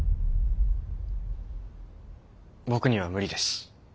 僕には無理です。